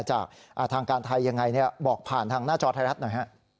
จากทางการไทยยังไงบอกผ่านทางหน้าจอไทยรัฐหน่อยฮะ